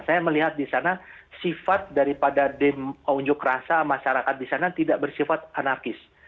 saya melihat di sana sifat daripada demunjuk rasa masyarakat di sana tidak bersifat anakis